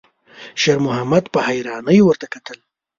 شېرمحمد په حيرانۍ ورته کتل.